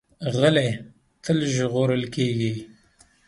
غلی، تل ژغورل کېږي.